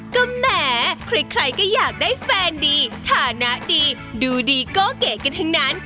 ก็แหมใครก็อยากได้แฟนดีฐานะดีดูดีก็เก๋กันทั้งนั้น